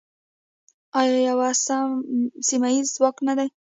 آیا یو سیمه ییز ځواک نه دی؟